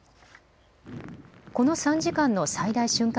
この３時間の最大瞬間